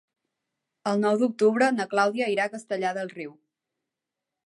El nou d'octubre na Clàudia irà a Castellar del Riu.